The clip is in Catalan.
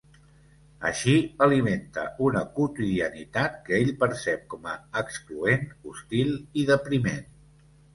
Així alimenta una quotidianitat que ell percep com a excloent, hostil i depriment.